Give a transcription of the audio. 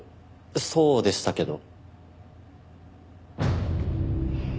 そうでしたけど。